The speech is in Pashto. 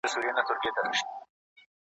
سریندې وې سیتارونه شرنګېدله